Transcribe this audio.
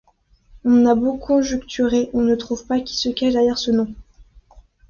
On a beau conjecturer, on ne trouve pas qui se cache derrière ce nom.